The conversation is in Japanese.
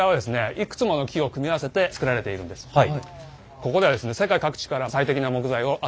ここではですね